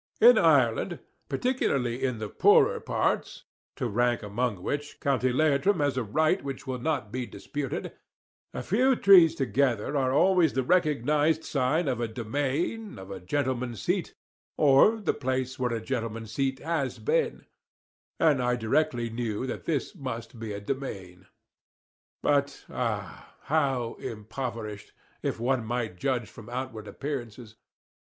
In Ireland, particularly in the poorer parts to rank among which, County Leitrim has a right which will not be disputed a few trees together are always the recognised sign of a demesne, of a gentleman's seat, or the place where a gentleman's seat has been; and I directly knew that this must be a demesne. But ah! how impoverished, if one might judge from outward appearances.